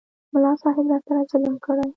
ملک صاحب راسره ظلم کړی.